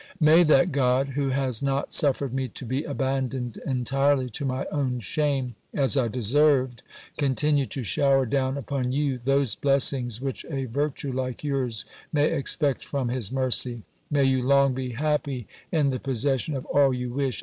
"May that God, who has not suffered me to be abandoned entirely to my own shame, as I deserved, continue to shower down upon you those blessings, which a virtue like yours may expect from his mercy! May you long be happy in the possession of all you wish!